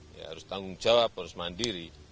ya harus tanggung jawab harus mandiri